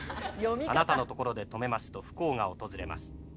あなたの所で止めますと不幸が訪れます。